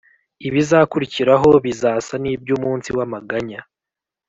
ibizakurikiraho bizasa n’iby’umunsi w’amaganya.